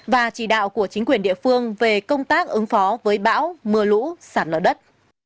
và chỉ đạo của chính quyền địa phương về công tác ứng phó với bão mưa lũ sạt lở đất